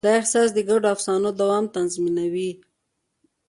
دا احساس د ګډو افسانو دوام تضمینوي.